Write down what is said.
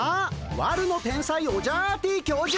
悪の天才オジャアーティ教授！